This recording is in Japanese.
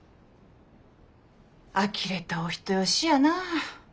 あきれたお人よしやな。